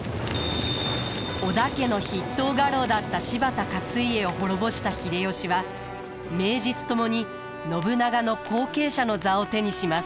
織田家の筆頭家老だった柴田勝家を滅ぼした秀吉は名実ともに信長の後継者の座を手にします。